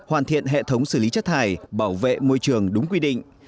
hoàn thiện hệ thống xử lý chất thải bảo vệ môi trường đúng quy định